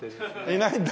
いないんだ。